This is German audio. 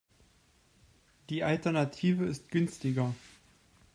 Die Alternative ist günstiger.